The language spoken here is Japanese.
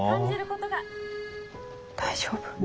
大丈夫？